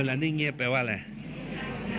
เวลานี้เงียบแปลว่าอะไร